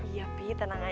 iya pi tenang aja